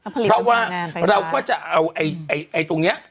เพราะว่าเราก็จะเอาตรงนี้